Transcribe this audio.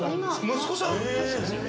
息子さん？